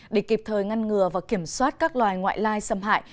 để kịp thời ngăn ngừa và kiểm soát các loài ngoại lai xâm hại